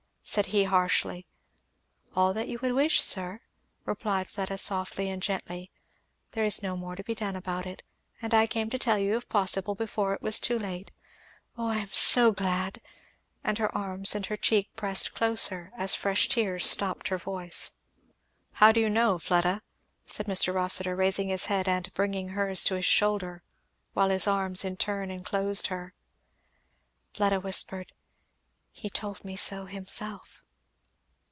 said he harshly. "All that you would wish, sir," replied Fleda softly and gently; "there is no more to be done about it; and I came to tell you if possible before it was too late. Oh I'm so glad! " and her arms and her cheek pressed closer as fresh tears stopped her voice. "How do you know, Fleda?" said Mr. Rossitur raising his head and bringing hers to his shoulder, while his arms in turn enclosed her. Fleda whispered, "He told me so himself."